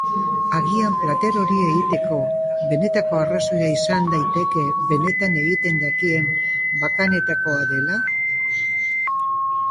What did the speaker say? Agian plater hori egiteko benetako arrazoia izan daiteke benetan egiten dakien bakanetakoa dela?